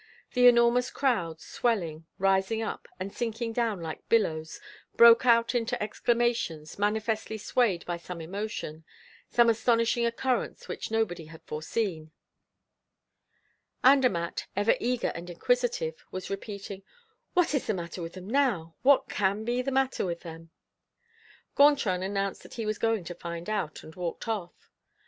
The enormous crowd, swelling, rising up, and sinking down like billows, broke out into exclamations, manifestly swayed by some emotion, some astonishing occurrence which nobody had foreseen. Andermatt, ever eager and inquisitive, was repeating: "What is the matter with them now? What can be the matter with them?" Gontran announced that he was going to find out, and walked off.